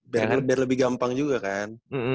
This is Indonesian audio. biarkan biar lebih gampang juga kan